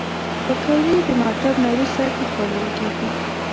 پکورې د مکتب نه وروسته ښه خوړل کېږي